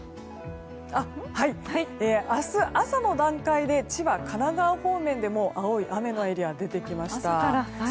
明日朝の段階で千葉、神奈川方面で青い雨のエリアが出てきました。